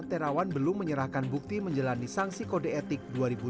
terawan belum menyerahkan bukti menjalani sanksi kode etik dua ribu dua puluh